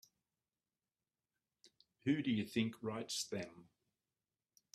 Who do you think writes them?